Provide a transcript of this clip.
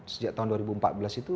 sejak tahun dua ribu empat belas itu